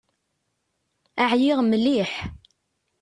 Ɛyiɣ mliḥ.